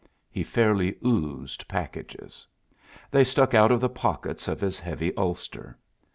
He fairly oozed packages. They stuck out of the pockets of his heavy ulster.